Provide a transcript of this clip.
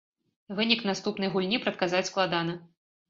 Вынік наступнай гульні прадказаць складана.